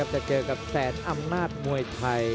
จะเจอกับแสนอำนาจมวยไทย